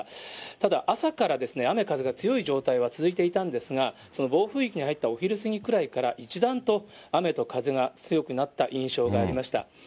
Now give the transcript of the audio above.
ただ、朝から雨風が強い状態は続いていたんですが、その暴風域に入ったお昼過ぎくらいから、一段と雨と風が強くなった印象がありました。